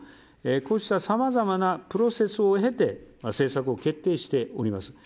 こうしたさまざまなプロセスを経て政策を決定しております。